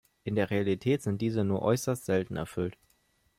In der Realität sind diese nur äußerst selten erfüllt.